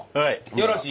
よろしい？